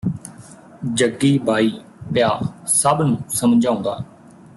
ਜੱਗੀ ਬਾਈ ਪਿਆ ਸਭ ਨੂੰ ਸਮਝਾਉਂਦਾ